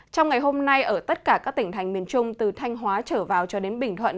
trong ngày hôm nay ở tất cả các tỉnh thành miền trung từ thanh hóa trở vào cho đến bình thuận